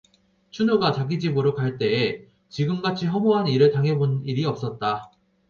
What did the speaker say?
춘우가 자기 집으로 갈 때에 지금같이 허무한 일을 당해 본 일이 없었다.